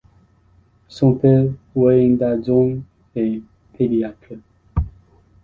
Son père, Wang Dazhong est pédiatre.